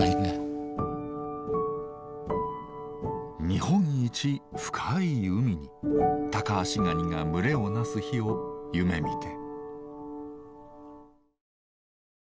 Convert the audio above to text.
日本一深い海にタカアシガニが群れを成す日を夢みて。